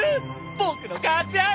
僕の活躍。